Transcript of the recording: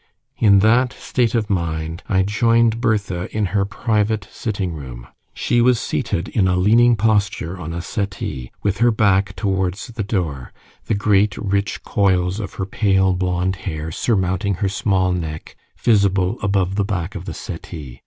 In that state of mind I joined Bertha in her private sitting room. She was seated in a leaning posture on a settee, with her back towards the door; the great rich coils of her pale blond hair surmounting her small neck, visible above the back of the settee.